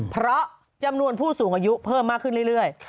เพราะจำนวนผู้สูงอายุเพิ่มมากขึ้นเรื่อย